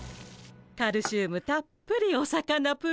カルシウムたっぷりお魚プリン。